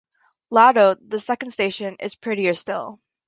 Lado, the second station, is prettier still.